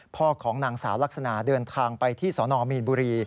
พ่อของนางสาวลักษณะเดินทางไปที่สนมีนบุรี